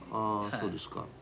そうですか。